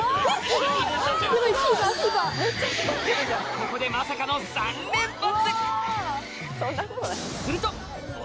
ここでまさかの３連発！